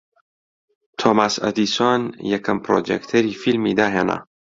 تۆماس ئەدیسۆن یەکەم پڕۆجێکتەری فیلمی داھێنا